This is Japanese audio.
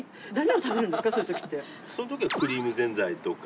その時はクリームぜんざいとか。